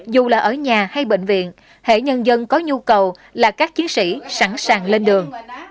dù là ở nhà hay bệnh viện hệ nhân dân có nhu cầu là các chiến sĩ sẵn sàng lên đường